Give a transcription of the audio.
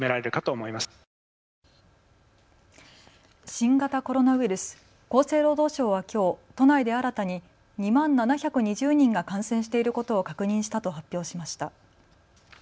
新型コロナウイルス、厚生労働省はきょう都内で新たに２万７２０人が感染していることを確認したと発表しました。